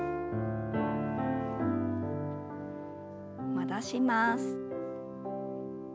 戻します。